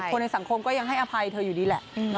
คนในสังคมก็ยังให้อภัยเธออยู่ดีแหละ